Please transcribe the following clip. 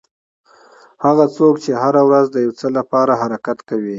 هغه څوک چې هره ورځ د یو څه لپاره حرکت کوي.